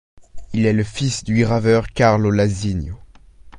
Il est le fils du graveur Carlo Lasinio.